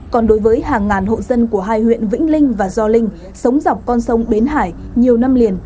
còn đối với hàng ngàn hộ dân của hai huyện vĩnh linh và gio linh sống dọc con sông bến hải nhiều năm liền